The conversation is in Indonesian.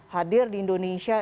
hadir di indonesia